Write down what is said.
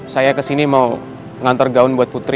saya ke sini mau ngantar gaun buat putri